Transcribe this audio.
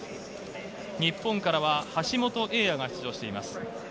日本からは橋本英也が出場しています。